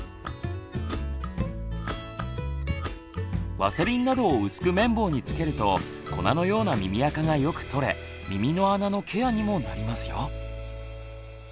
ワセリンなどを薄く綿棒につけると粉のような耳あかがよく取れ耳の穴のケアにもなりますよ。